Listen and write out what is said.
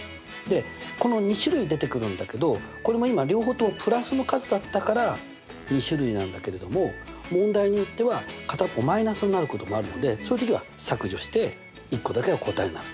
でこの２種類出てくるんだけどこれも今両方ともプラスの数だったから２種類なんだけれども問題によっては片っぽマイナスになることもあるのでそういう時は削除して１個だけが答えになると。